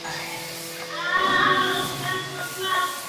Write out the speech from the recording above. Todos estos hechos son aún más ciertos tras el ataque del Día de Reyes.